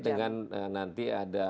dengan nanti ada